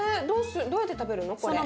どうやって食べるの？